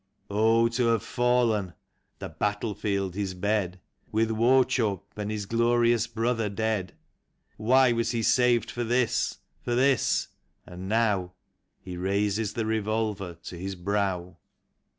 Oh, to have fallen! the battle field his bed, With Wauchope and his glorious brother dead. Why was he saved for this, for this? And now He raises the revolver to his brow.